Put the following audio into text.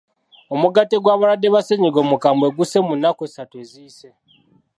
Omugatte gw'abalwadde ba ssennyiga omukambwe gussee mu nnnaku essatu eziyise.